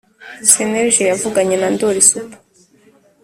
Cnlg yavuganye na ndoli super